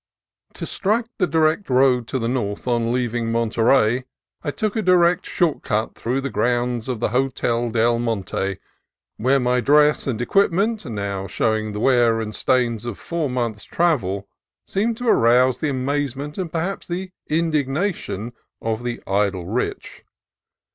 To strike the direct road to the north on leaving Monterey, I took a short cut through the grounds of the Hotel del Monte, where my dress and equipment, now showing the wear and stains of four months' travel, seemed to arouse the amaze ment, and perhaps the indignation, of the "idle rich."